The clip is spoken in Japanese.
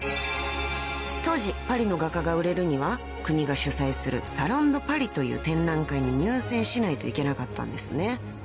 ［当時パリの画家が売れるには国が主催するサロン・ド・パリという展覧会に入選しないといけなかったんですね］